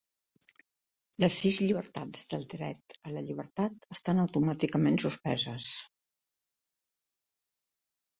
Les sis llibertats del Dret a la Llibertat estan automàticament suspeses.